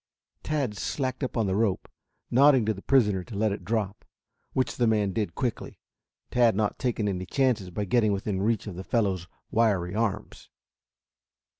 Tad slacked up on the rope, nodding to the prisoner to let it drop, which the man did quickly, Tad not taking chances by getting within reach of the fellow's wiry arms.